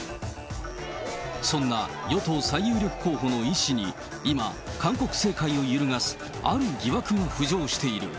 そんな与党最有力候補のイ氏に、今、韓国政界を揺るがすある疑惑が浮上している。